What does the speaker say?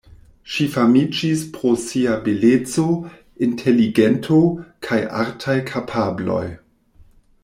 Ŝi famiĝis pro sia beleco, inteligento kaj artaj kapabloj.